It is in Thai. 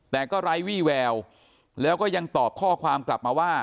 แต่ก็ไร้วี่แววแล้วก็ยังตอบข้อความกลับมาว่า